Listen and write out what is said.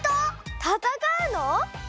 たたかうの！？